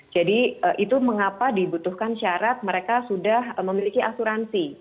jadi itu mengapa dibutuhkan syarat mereka sudah memiliki asuransi